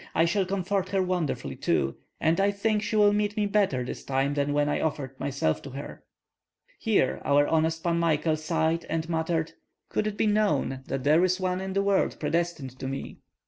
I shall comfort her wonderfully too, and I think she will meet me better this time than when I offered myself to her." Here our honest Pan Michael sighed and muttered: "Could it be known that there is one in the world predestined to me?"